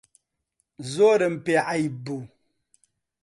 زۆرم پێ عەیب بوو